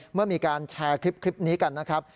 เมื่อมีการแชร์คลิปนี้กันนะครับ